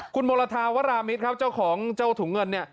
คุณโมรทาวรามิตรครับเจ้าของเจ้าถุงเงินเนี่ย